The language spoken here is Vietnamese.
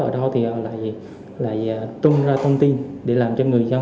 ở đâu thì họ lại tung ra thông tin để làm cho người dân